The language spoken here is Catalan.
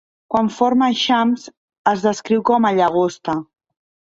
Quan forma eixams, es descriu com a llagosta.